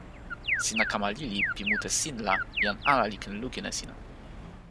sina kama lili pi mute sin la jan ala li ken lukin e sina.